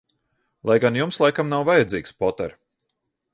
Lai gan Jums laikam nav vajadzīgs, Poter?